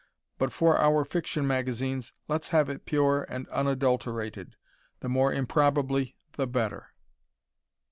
But for our fiction magazines, let's have it pure and unadulterated, the more improbably the better.